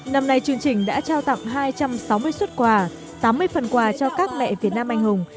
năm nay chương trình đã trao tặng hai trăm sáu mươi xuất quà tám mươi phần quà cho các mẹ việt nam anh hùng